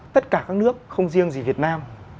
tất cả các nước không riêng gì việt nam